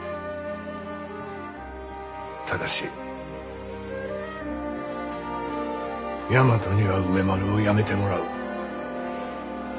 ただし大和には梅丸をやめてもらう。